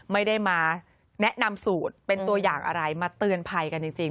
ไม่ได้มาแนะนำสูตรเป็นตัวอย่างอะไรมาเตือนภัยกันจริง